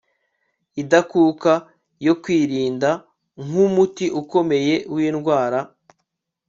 idakuka yo kwirinda nkumuti ukomeye windwara